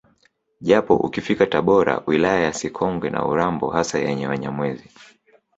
Japo ukifika Tabora wilaya ya Sikonge na Urambo hasa yenye Wanyamwezi